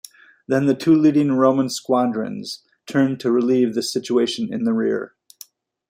Then the two leading Roman squadrons turned to relieve the situation in the rear.